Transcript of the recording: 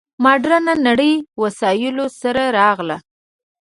مډرنه نړۍ وسایلو سره راغله.